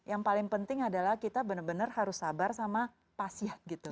yang paling penting adalah kita benar benar harus sabar sama pasien gitu